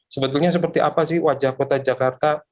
sebetulnya seperti apa sih wajah kota jakarta